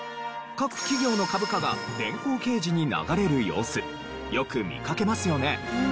各企業の株価が電光掲示に流れる様子よく見かけますよね。